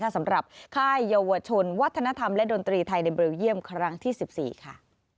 สำหรับค่ายเยาวชนวัฒนธรรมและดนตรีไทยในเบลเยี่ยมครั้งที่๑๔ค่ะ